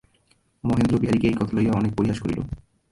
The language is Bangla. মহেন্দ্র বিহারীকে এই কথা লইয়া অনেক পরিহাস করিল।